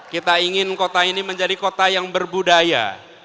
kita ingin kota ini menjadi kota yang berbudaya